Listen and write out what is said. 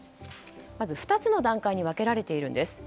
まず２つの段階に分けられているんです。